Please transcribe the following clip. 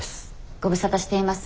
ご無沙汰しています。